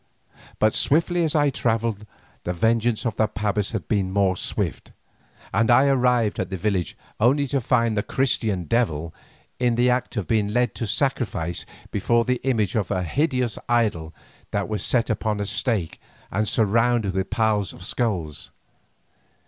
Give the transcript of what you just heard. But swiftly as I travelled the vengeance of the pabas had been more swift, and I arrived at the village only to find the "Christian Devil" in the act of being led to sacrifice before the image of a hideous idol that was set upon a stake and surrounded with piles of skulls.